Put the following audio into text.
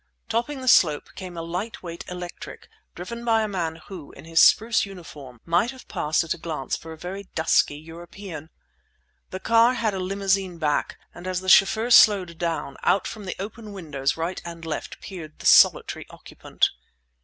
Topping the slope came a light weight electric, driven by a man who, in his spruce uniform, might have passed at a glance for a very dusky European. The car had a limousine back, and as the chauffeur slowed down, out from the open windows right and left peered the solitary occupant.